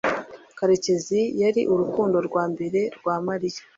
karekezi yari urukundo rwa mbere rwa mariya